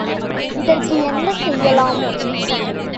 இதற்கு என்ன செய்யலாம்!